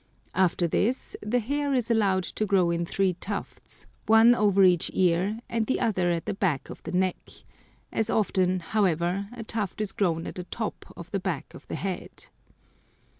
After this the hair is allowed to grow in three tufts, one over each ear, and the other at the back of the neck; as often, however, a tuft is grown at the top of the back of the head.